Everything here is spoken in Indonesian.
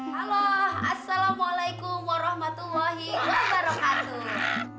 halo assalamualaikum warahmatullahi wabarakatuh